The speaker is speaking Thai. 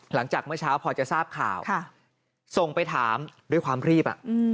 หลังจากเมื่อเช้าพอจะทราบข่าวส่งไปถามด้วยความรีบ